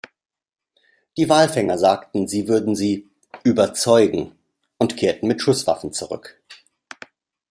Die Walfänger sagten, sie würden sie „überzeugen“ und kehrten mit Schusswaffen zurück.